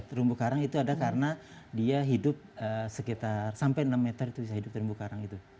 terumbu karang itu ada karena dia hidup sekitar sampai enam meter itu bisa hidup terumbu karang itu